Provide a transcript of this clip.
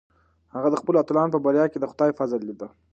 هغه د خپلو اتلانو په بریا کې د خدای فضل لیده.